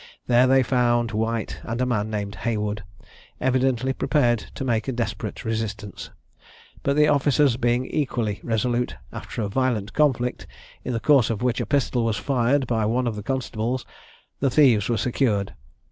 They there found White and a man named Haywood, evidently prepared to make a desperate resistance, but the officers being equally resolute, after a violent conflict, in the course of which a pistol was fired by one of the constables, the thieves were secured.